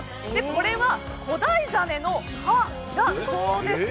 これは、古代ザメの歯だそうです。